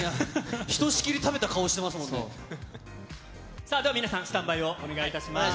ひとしきり食べた顔してますでは皆さん、スタンバイをおお願いします。